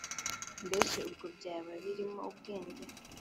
mbese ubwo byaba birimo ubwenge